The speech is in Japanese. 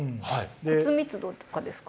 骨密度とかですか？